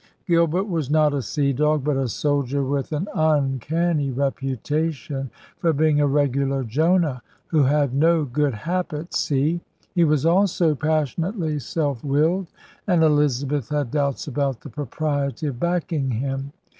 Gilbert was not a sea dog but a soldier with an uncanny reputation for being a regular Jonah who 'had no good hap at sea.' He was also passionately self willed, and Elizabeth had doubts about the pro priety of backing him.